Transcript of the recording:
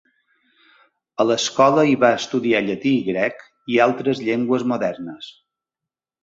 A l'escola hi va estudiar llatí i grec i altres llengües modernes.